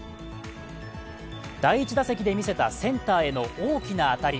第１打席で見せたセンターへの大きな当たり。